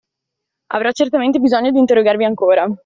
Avrò certamente bisogno d'interrogarvi ancora.